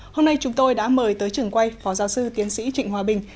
hôm nay chúng tôi đã mời tới trường quay phó giáo sư tiến sĩ trịnh hòa bình